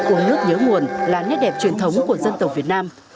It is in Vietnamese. uống nước nhớ nguồn là nét đẹp truyền thống của dân tộc việt nam